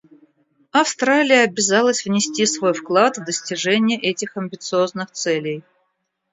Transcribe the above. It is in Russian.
Австралия обязалась внести свой вклад в достижение этих амбициозных целей.